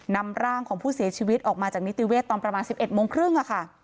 นำร่างของผู้เสียชีวิตออกมาจากนิติเวศตอนประมาณ๑๑โมงครึ่ง